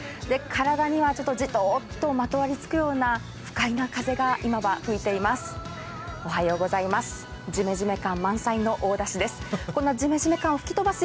体には、ちょっとじとっとまとわりつくような不快な風が今は吹いています。